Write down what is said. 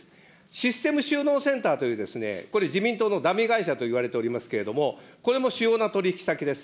システム収納センターという、これ、自民党のダミー会社といわれておりますけれども、これも主要な取り引き先です。